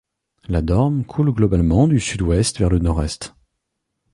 La Dorne coule globalement du sud-ouest vers le nord-est.